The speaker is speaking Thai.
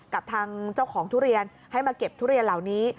กับทางเจ้าของทุเรียนให้มาเก็บทุเรียนเหล่านี้